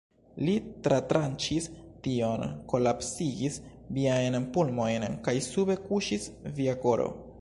Li tratranĉis tion, kolapsigis viajn pulmojn, kaj sube kuŝis via koro!